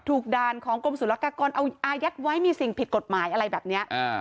ถูกด่านของกรมสุรกากรเอายัดไว้มีสิ่งผิดกฎหมายอะไรแบบเนี้ยอ่า